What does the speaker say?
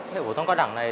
hệ phổ thông các đảng này